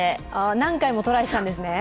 何回もトライしたんですね。